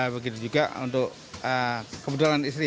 begitu juga untuk kebetulan istri